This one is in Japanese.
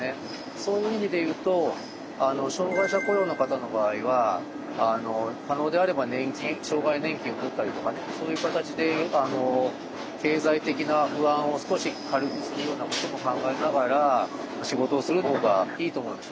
そういう意味で言うと障害者雇用の方の場合は可能であれば年金障害年金を取ったりとかねそういう形で経済的な不安を少し軽くするようなことも考えながら仕事をするほうがいいと思うんですね。